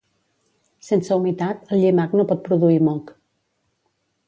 Sense humitat, el llimac no pot produir moc